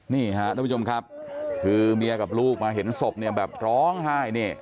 นี่ฮะทุกผู้ชมครับคือเมียกับลูกมาเห็นศพเนี่ยแบบร้องไห้นี่